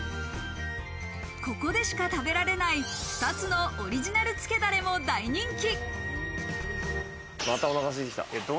ここでしか食べられない２つのオリジナルつけダレも大人気。